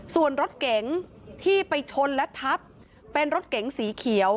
ส่วนรถเก๋งที่ไปชนและทับเป็นรถเก๋งสีเขียว